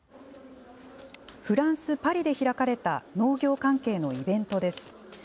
フランス・パリで開かれた農業関係のイベントです。